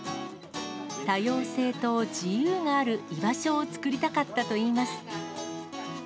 多様性と自由がある居場所を作りたかったといいます。